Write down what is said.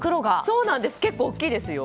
結構大きいですよ。